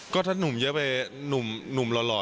ก็ถ้าหนุ่มเยอะไปหนุ่มหล่อ